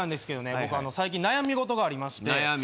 僕あの最近悩み事がありまして悩み